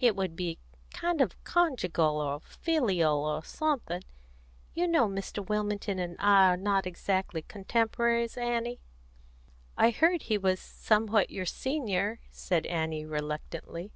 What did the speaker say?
It would be kind of conjugal, or filial, or something. You know Mr. Wilmington and I are not exactly contemporaries, Annie?" "I heard he was somewhat your senior," said Annie reluctantly.